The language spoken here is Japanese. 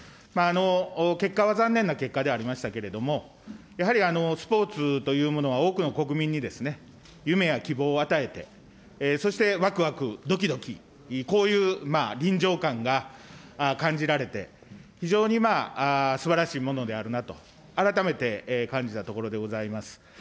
結果は残念な結果ではありましたけれども、やはりスポーツというものは多くの国民に夢や希望を与えて、そしてわくわくどきどき、こういう臨場感が感じられて、非常にすばらしいものであるなと、改めて感じたところでございます。